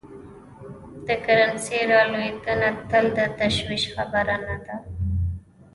د کرنسۍ رالوېدنه تل د تشویش خبره نه ده.